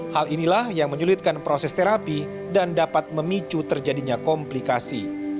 hal inilah yang menyulitkan proses terapi dan dapat memicu terjadinya komplikasi